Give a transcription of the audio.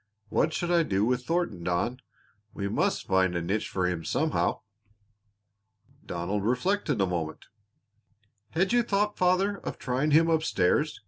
What shall I do with Thornton, Don? We must find a niche for him somehow." Donald reflected a moment. "Had you thought, father, of trying him up stairs?"